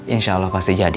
insya allah pasti jadi